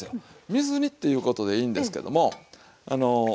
水煮っていうことでいいんですけども。